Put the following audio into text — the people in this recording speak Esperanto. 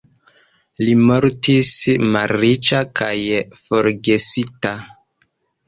Li mortis malriĉa kaj forgesita.